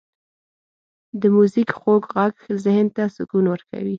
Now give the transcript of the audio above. • د میوزیک خوږ ږغ ذهن ته سکون ورکوي.